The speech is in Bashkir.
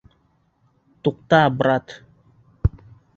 Туҡта, брат!